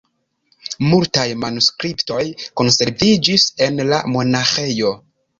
Multaj manuskriptoj konserviĝis en la monaĥejo.